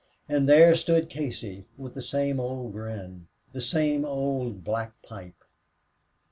And there stood Casey, with the same old grin, the same old black pipe.